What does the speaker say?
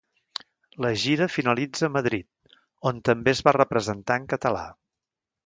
La gira finalitza a Madrid, on també es va representar en català.